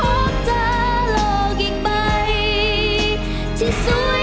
รอบที่สามยกที่เจ็ดทีมที่ชนะคือทีม